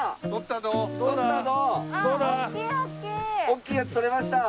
大きいやつとれました！